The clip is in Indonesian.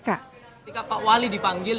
ketika pak wali dipanggil